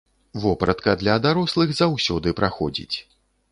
Вопратка для дарослых заўсёды праходзіць.